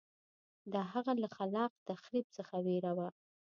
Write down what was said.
دا هغه له خلاق تخریب څخه وېره وه